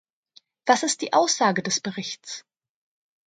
Was ist die Aussage des Berichts?